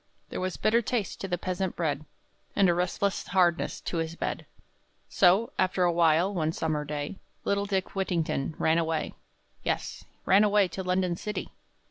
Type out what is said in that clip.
There was bitter taste to the peasant bread, And a restless hardness to his bed; So, after a while, one summer day, Little Dick Whittington ran away. Yes ran away to London city!